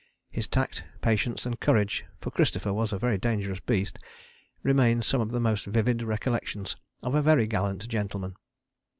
His tact, patience and courage, for Christopher was a very dangerous beast, remain some of the most vivid recollections of a very gallant gentleman.